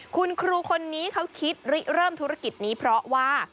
คุณครูคนนี้เขาคิดริเริ่มธุรกิจนี้เพราะว่า